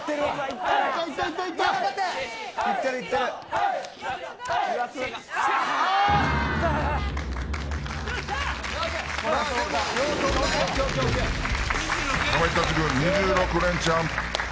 かまいたち軍２６レンチャン。